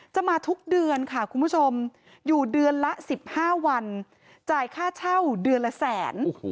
มาทุกเดือนค่ะคุณผู้ชมอยู่เดือนละ๑๕วันจ่ายค่าเช่าเดือนละแสน